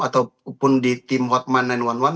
ataupun di tim hotman sembilan ratus sebelas